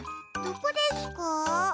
どこですか？